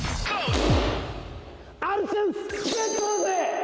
はい！